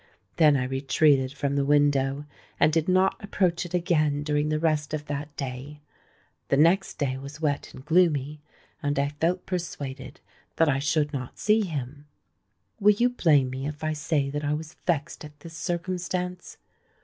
Then I retreated from the window, and did not approach it again during the rest of that day. The next day was wet and gloomy; and I felt persuaded that I should not see him. Will you blame me if I say that I was vexed at this circumstance?